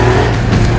aku mau pergi ke rumah